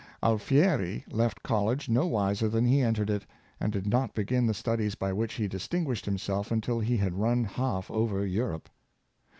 Alfieri left college no wiser than he entered it, and did not begin the studies by which he distinguished himself, until he had run half over Europe.